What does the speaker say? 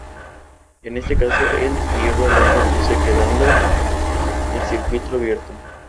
En este caso, el diodo no conduce, quedando el circuito abierto.